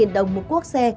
năm đồng một cuốc xe